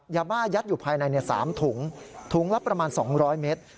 ยาบ้ายัดอยู่ภายใน๓ถุงถุงละประมาณ๒๐๐เมตร